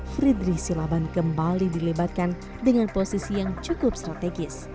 fridri silaban kembali dilebatkan dengan posisi yang cukup strategis